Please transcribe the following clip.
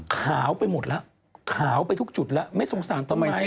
ขาวไปหมดแล้วขาวไปทุกจุดแล้วไม่สงสารทำไม